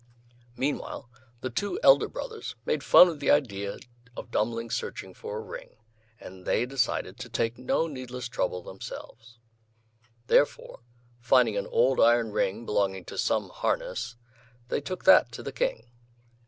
Meanwhile the two elder brothers made fun of the idea of Dummling searching for a ring, and they decided to take no needless trouble themselves. Therefore, finding an old iron ring belonging to some harness, they took that to the King.